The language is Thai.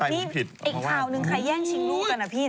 เอี๊ยที่อีกข่าวนึงใครแย่งชิงลูกกันนะพี่